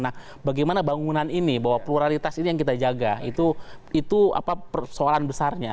nah bagaimana bangunan ini bahwa pluralitas ini yang kita jaga itu persoalan besarnya